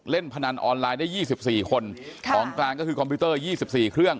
เล่นพนันออนไลน์ได้ยี่สิบสี่คนของกลางก็คือคอมพิวเตอร์ยี่สิบสี่เครื่อง